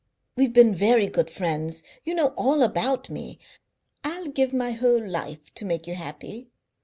We've been very good friends; you know all about me. I'll give my whole life to make you happy.